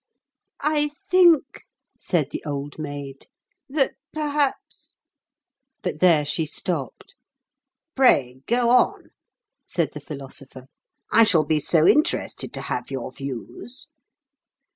"I think," said the Old Maid, "that perhaps—" But there she stopped. "Pray go on," said the Philosopher. "I shall be so interested to have your views."